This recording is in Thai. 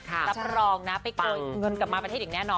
รับรองไปโกยเงินกลับมาประเภทอีกแน่